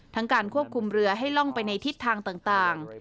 การควบคุมเรือให้ล่องไปในทิศทางต่าง